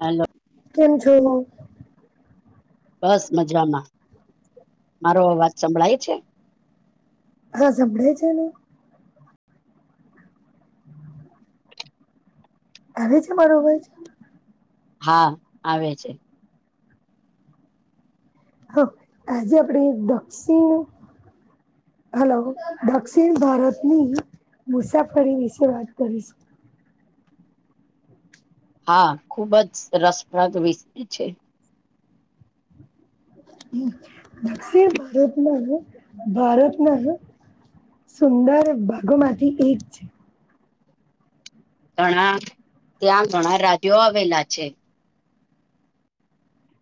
Hello કેમ જોયુ બસ મજામાં મારો અવાજ સંભળાય છે હા સાંભડે છે ને હવે છે બરોબર છે હા આવે છે હા આજે આપણેે દક્ષિણ હેલો દક્ષિણ મુસાફરી વિશે વાત કરીશ હા ખૂબ જ રસપ્રદ વિષય છે દક્ષિણ ભારતમાં ભારતના સુંદર ભાગોમાંથી એક છે ઘણા ત્યાં ઘણા રાજ્યો આવેલા છે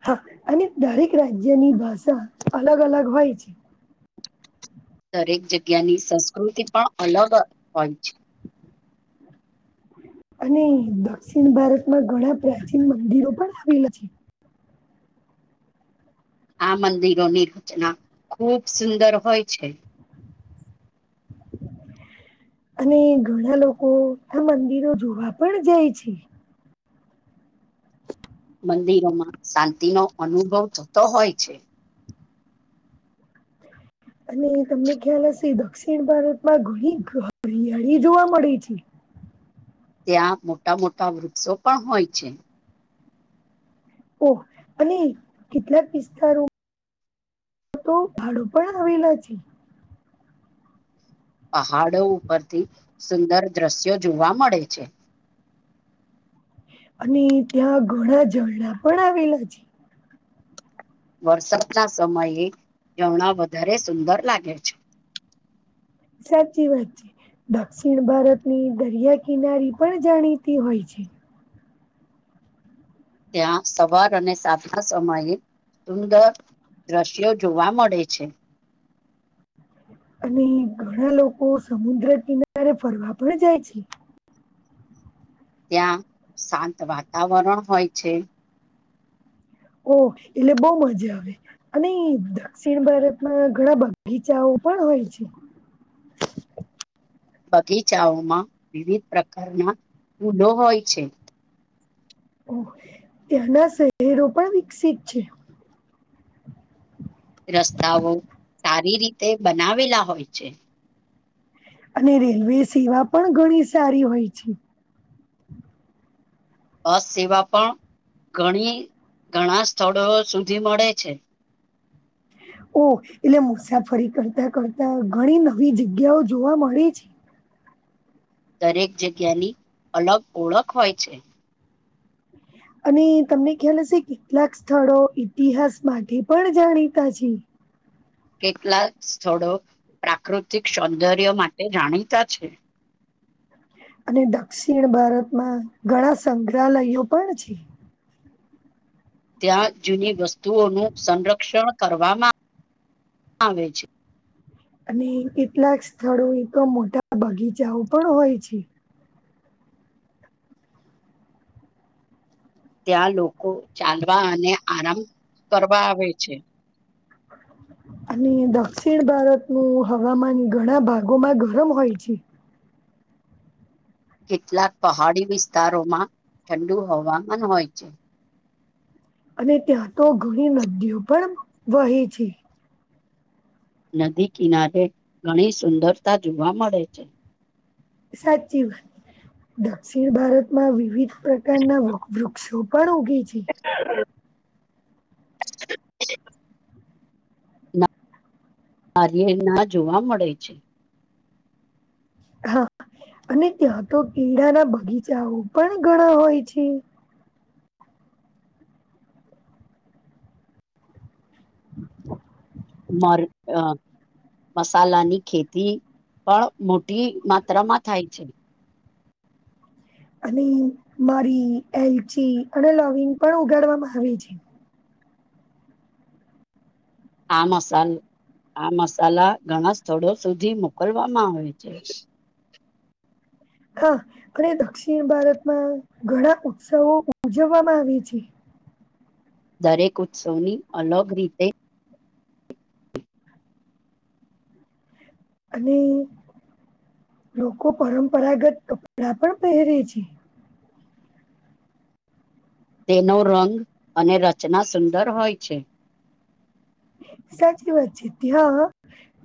હા અને દરેક રાજ્યની ભાષા અલગ અલગ હોય છે દરેક જગ્યાની સંસ્કૃતિ પણ અલગ હોય છે અને દક્ષિણ ભારતમાં ઘણા પ્રાચીન મંદિરો પણ આવેલા છે આ મંદિરોની રચના ખૂબ સુંદર હોય છે અને ઘણા લોકો આ મંદિરો જોવા પણ જાય છે મંદિરોમાં શાંતિનોો અનુભવ થતો હોય છે અને તમને ખ્યાલ હશે દક્ષિણ ભારતમાં ઘણી ઘરિયાળી જોવા મળે છે ત્યાં મોટા મોટા વૃક્ષો પણ હોય છે ઓહ અને કેટલા પિસ્તારો આ તો ભાડું પણ હવેલા છે પહાડો ઉપરથી સુંદર દ્રશ્યો જોવા મળે છે અને ત્યાં ઘણા ઝરણા પણ આવેલા છે વરસાદના સમયે જમણા વધારે સુંદર લાગે છે સાચી વાત છે દક્ષિણ ભારતની દરિયા કિનારી પણ જાણીતી હોય છે ત્યાં સવાર અને સાત ના સમયે સુંદર દ્રશ્યો જોવા મળે છે અને ઘણા લોકો સમુદ્ર કિનારે ફરવા પણ જાય છે ત્યાં શાંત વાતાવરણ હોય છે ઓ એટલે બહ મજા આવે અને દક્ષિણ ભારતમાં ઘણા બગીચાઓ પણ હોય છે બગીચાઓમાં વિવિધ પ્રકારના ફૂડો હોય છે ત્યાના શહેરો પણ વિકસિત છે રસ્તાઓ સારી રીતે બનાવેલા હોય છે અને રેલવે સેવા પણ ઘણી સારી હોય છે બસ સેવા પણ ઘણી ઘણા સ્થળો સુધી મળે છે ઓહ એટલે મુસાફરી કરતા કરતા ઘણી નવી જગ્યાઓ જોવા મળે છે દરેક જગ્યાની અલગ ઓળખ હોય છે અને તમને ખ્યાલ હશે કેટલાક સ્થળો ઇતિહાસ માટે પણ જાણીતા છે કેટલાક સ્થળો પ્રાકૃતિક સૌંદર્ય માટે જાણીતા છે અને દક્ષિણ ભારતમાં ઘણા સંગ્રહાલયો પણ છે ત્યાં જૂની વસ્તુઓનું સંરક્ષણ કરવામાં આવે હા બે છે અને કેટલાક સ્થળો એ તો મોટા બગીચાઓ પણ હોય છે ત્યાં લોકો ચાલવા અને આરામ કરવા આવે છે અને દક્ષિણ ભારતનુંું હવામાન ઘણા ભાગોમાં ગરમ હોય છે કેટલાક પહાડી વિસ્તારોમાં ઠંડુ હવામાન હોય છે અને ત્યાં તો ઘણી નદીઓ પણ વહી છે નદી કિનારે ઘણી સુંદરતા જોવા મળે છે સાચી વાત દક્ષિણ ભારતમાં વિવિધ પ્રકારના વૃક્ષો પણ ઉગે છે હ કાર્ય ના જોવા મળે છે હા અને ત્યાં તો કેળાના બગીચાઓ પણ ઘણા હોય છે મારે આ મસાલાની ખેતી પણ મોટી માત્રામાં થાય છે અને મરી એલચી અને લવિંગ પણ ઉગાડવામાં આવે છે આ મસાાલ આ મસાલા ઘણા સ્થળો સુધી મોકલવામાં આવે છે હા અને દક્ષિણ ભારતમાં ઘણા ઉત્સવો ઉજવવામાં આવે છે દરેક ઉત્સવની અલગ રીતે અને લોકો પરંપરાગત કપડા પણ પહેરે છે તેનો રંગ અને રચના સુંદર હોય છે સાચી વાત છે ત્યાં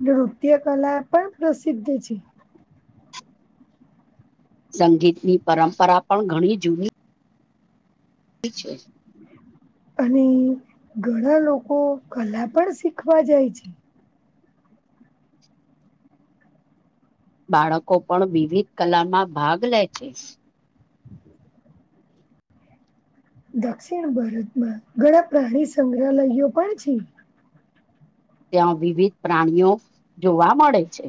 નૃત્ય કલા પણ પ્રસિદ્ધ છે સંગીતની પરંપરા પણ ઘણી જૂની ઠીક છે અને ઘણા લોકો કલા પણ શીખવા જાય છે બાળકો પણ વિવિધ કલામાં ભાગ લે છે દક્ષિણ ભારતમાં ઘણા પ્રાણી સંગ્રહાલયોયો પણ છે ત્યાં વિવિધ પ્રાણીઓ જોવા મળે છે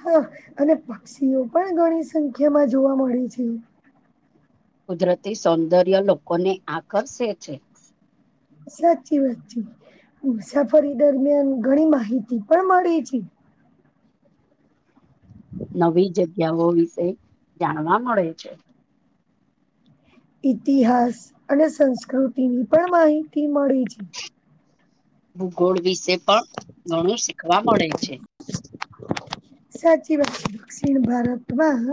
હા અને પક્ષીઓ પણ ઘણી સંખ્યા માં જોવા મળે છે કુદરતી સૌંદર્ય લોકોને આકર્ષે છે સાચી વાતચી મુસાફરી દરમિયાન ઘણી માહિતી પણ મળી છે નવી જગ્યાઓ વિશે જાણવા મળે છે ઇતિહાસ અને સંસ્કૃતિની પણ માહિતી મળે છે ભૂગોળ વિશે પણ ઘણું શીખવા મળે છે સાચી વાત છે દક્ષિણ ભારતમાં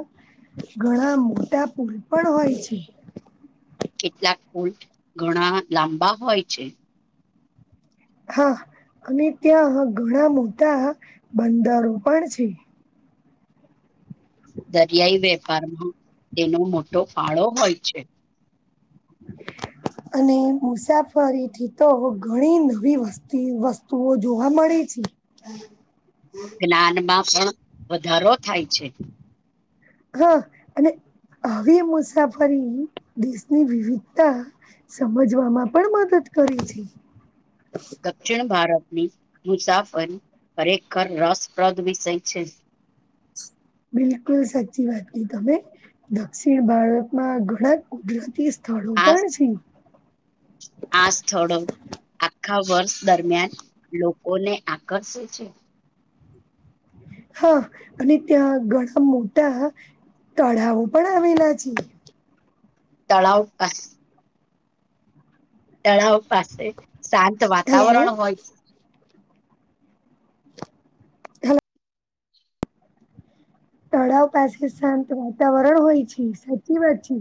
ઘણા મોટા પુલ પણ હોય છે કેટલાક પુલ ઘણા લાંબા હોય છે હા અને ત્યાં ઘણા મોટા બંદરો પણ છે દરિયાઈ વેપારમાં તેનો મોટો ફાળો હોય છે અને મુસાફરી થી તો ઘણી નવી વ વસ્તુઓ જોવા મ ળે છે જ્ઞાનમાં પણ વધારો થાય છે હા અને આવી મુસાફરી દેશની વિવિધતા સમજવામાં પણ મદદ કરી છે દક્ષિણ ભારત ની મુસાફરી ખરેખર રસપ્રદ વિષય છે બિલકુલ સાચી વાત નહી તમે દક્ષિણ ભારતમાં ઘણા કુદરતી થડું આ પણ છે આ સ્થળો આખા વર્ષ દરમિયાન લો કો ને આકર્ષે છે હા અને ત્યાં ઘણા મોટા તળાવો પણ આવેલા છે તળાવ. [unintelligible] તળાવ પાસે શાંત હેલો વાતાવરણ હોય હેલો તળાવ પાસે શાંત વાતાવરણ હોય છે સાચી વાત છે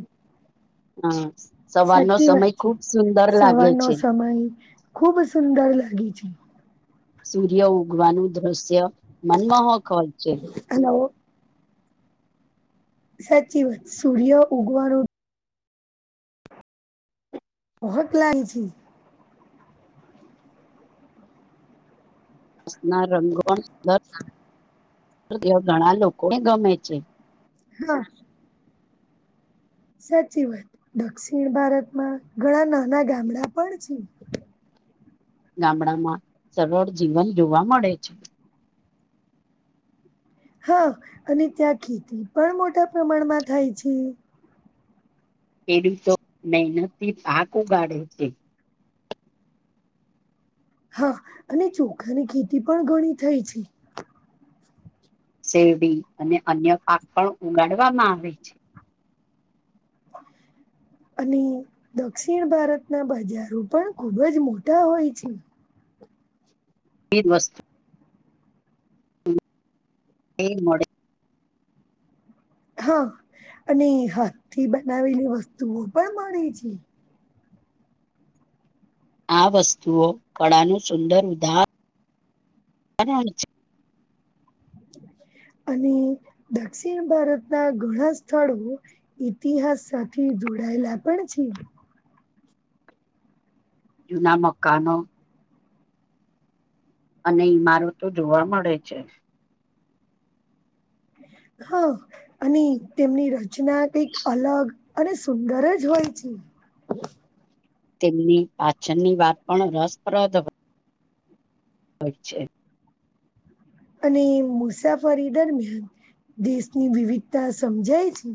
હા સવારનો સાચી સમય વાત છે ખુબ સુંદર સવાર લાગે નો છે સમય ખૂબ સુંદર લાગે છે સૂર્ય ઉગવાનું દૃશ્ય મનમોહક હોય છે હલો સાચી સૂર્ય ઉગવાનું [unintelligible] ના રંગોણ દ તેઓ ઘણા લોકોને ગમે છે હા સાચી વાત દક્ષિણ ભારતમાં ઘણા નાના ગામડા પણ છે ગામડામાં સરળ જીવન જોવા મળે છે હા અને ત્યાં ખેતી પણ મોટા પ્રમાણમાં થાય છે એેડું તો મહેનથી પાક ઉગાડે છે હા અને ચોખાની ખેતી પણ ઘણી થઈ છે શેરડી અને અન્ય પાક પણ ઉગાડવામાં આવે છે [inaudible] અને દક્ષિણ ભારતના બજારો પણ ખૂબ જ મોટા હોય છે. એક વસ્તુ એ મડે હા અને હાથ થી બનાવેલી વસ્તુઓ પણ મળે છે. આ વસ્તુઓ કળાનું સુંદર ઉધાર [inaudible] અને દક્ષિણ ભારત ના ઘણા સ્થળો ઈતિહાસ સાથે જોડાયેલા પણ છે. જૂના મકાનો અને ઈમારતો જોવા મળે છે. હા અને તેમની રચના કઈક અલગ અને સુંદર જ હોય છે. તેમની પાચનની વાત પણ રસપ્રદ હો. અચ્છા અને મુસાફરી દરમિયાન દેશની વિવિધતા સમજાય છે.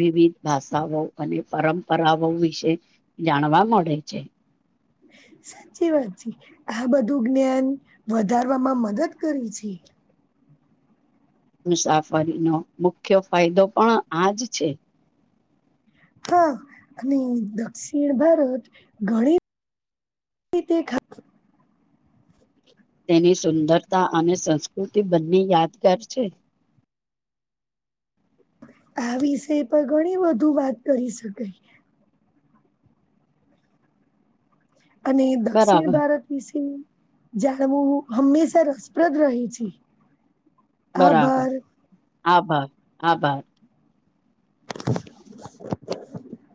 વિવિધ ભાષાઓ અને પરંપરાઓ વિશે જાણવા મળે છે. [inaudible] સાચી વાત છે આ બધું જ્ઞાન વધારવામાં મદદ કરે છે. મુસાફરીનો મુખ્ય ફાયદો પણ આ જ છે. હા અને દક્ષિણ ભારત ઘણી [unintelligible] તેની સુંદરતા અને સંસ્કૃતિ બંને યાદગાર છે. [inaudible] આ વિષય પર ઘણી બધુ વાત કરી શકાય. અને દક્ષિણ બરાબર ભારત વિશે જાણવું હંમેશા રસપ્રદ રહી છે બરાબર આભાર. આભાર આભાર. [inaudible]